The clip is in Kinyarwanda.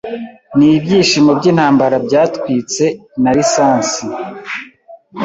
nibyishimo byintambara byatwitse nalisansi